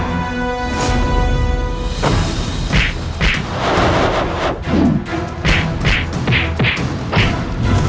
aku akan menangkapmu